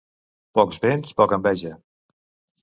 Pocs béns, poca enveja.